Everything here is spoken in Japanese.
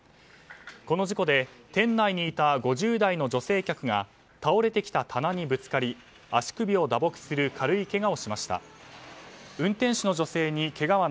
この事故で店内にいた５０代の女性客が倒れてきた棚にぶつかり足首を打撲する軽いけがをしました。